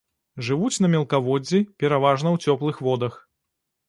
Жывуць на мелкаводдзі, пераважна ў цёплых водах.